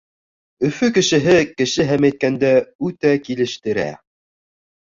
Өфө кешеһе кеше һемәйткәндә үтә килештерә.